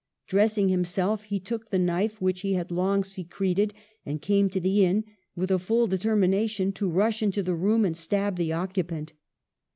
Dressing himself, he took the knife which he had long secreted, and came to the inn, with a full determination to rush into the room and stab the occupant.